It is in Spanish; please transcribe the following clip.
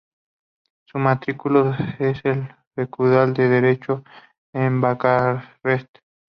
Se matriculó en la Facultad de Derecho en Bucarest.